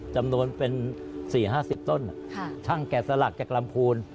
จำนวนเป็นสี่ห้าสิบต้นค่ะทั้งแก่สลักแก่กลำภูนย์